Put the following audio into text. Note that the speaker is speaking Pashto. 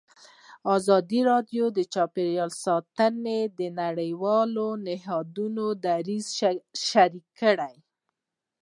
ازادي راډیو د چاپیریال ساتنه د نړیوالو نهادونو دریځ شریک کړی.